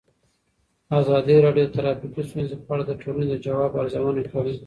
ازادي راډیو د ټرافیکي ستونزې په اړه د ټولنې د ځواب ارزونه کړې.